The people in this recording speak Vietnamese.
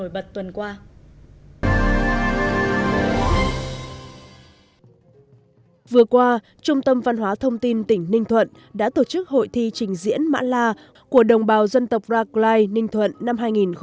vừa qua trung tâm văn hóa thông tin tỉnh ninh thuận đã tổ chức hội thi trình diễn mã la của đồng bào dân tộc raklah ninh thuận năm hai nghìn một mươi chín